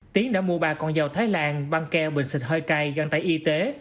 tiến đã mua ba con dầu thái lan băng keo bình xịt hơi cay găng tải y tế